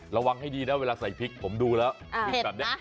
ระวังให้ดีนะเวลาใส่พริกผมดูแล้ว